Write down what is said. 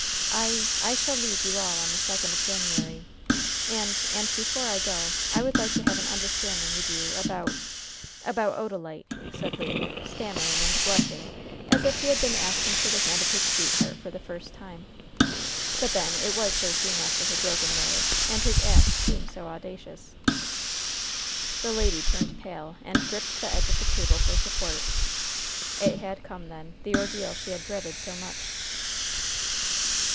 "I I shall leave you all on the second of January and and before I go I would like to have an understanding with you about about Odalite," said Le, stammering and blushing as if he had been asking for the hand of his sweetheart for the first time; but, then, it was so soon after her broken marriage, and his act seemed so audacious. The lady turned pale and gripped the edge of the table for support. It had come, then, the ordeal she had dreaded so much.